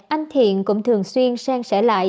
anh thiện cũng thường xuyên sang sẻ lại